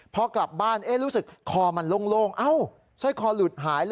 พอกลับบ้านรู้สึกคอมันโล่งเอ้าสร้อยคอหลุดหาย